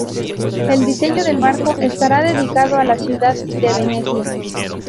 El diseño del barco estará dedicado a la ciudad de Venecia.